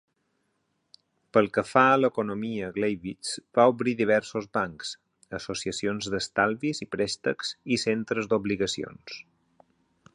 Pel que fa a l'economia, Gleiwitz va obrir diversos bancs, associacions d'estalvis i préstecs i centres d'obligacions.